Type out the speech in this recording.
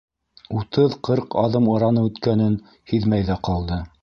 Утыҙ-ҡырҡ аҙым араны үткәнен һиҙмәй ҙә ҡалды.